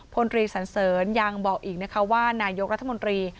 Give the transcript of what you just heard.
พลตรีสันเสริญยังบอกอีกนะคะว่านายกรัฐมนตรี